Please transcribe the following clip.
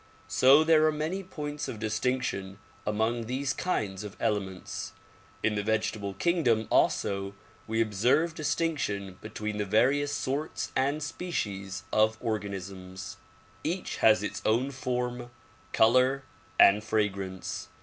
So there are many points of distinction among these kinds of elements. In the vegetable kingdom also we observe distinction between the various sorts and species of organisms. Each has its own form, color and fragrance.